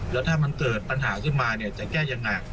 แล้วถ้ามันเกิดปัญหาขึ้นมาเนี่ยจะแก้ยังไง